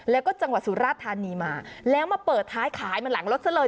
แล้วก็จังหวัดสุราธานีมาแล้วมาเปิดท้ายขายมาหลังรถซะเลย